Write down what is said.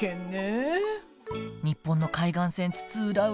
日本の海岸線津々浦々